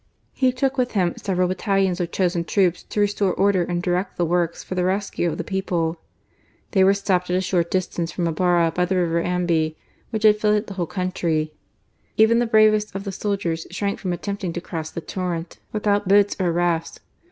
He took with him several battalions of .chosen troops to restore order and direct the works for the rescue of the people. They were stopped at a short distance from Ibarra by the River Ambi, which had flooded the whole country. Even the bravest of the soldiers shrank from attempt ing to cross the torrent without boats or rafts.